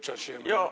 いや。